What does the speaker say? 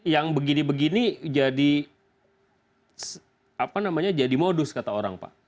yang begini begini jadi modus kata orang pak